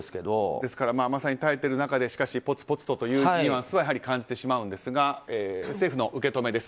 ですからまさに耐えている中でしかしぽつぽつとというニュアンスは感じてしまうんですが政府の受け止めです。